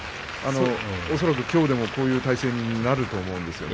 恐らく、きょうでもこういう体勢になると思います。